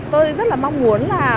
tôi rất là mong muốn là